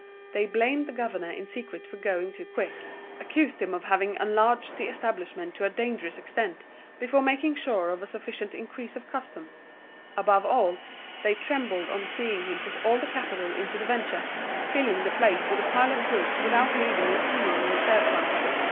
They blamed the governor in secret for going too quick; accused him of having enlarged the establishment to a dangerous extent, before making sure of a sufficient increase of custom; above all, they trembled on seeing him put all the capital into one venture, filling the place with a pile of goods without leaving a sou in the reserve fund.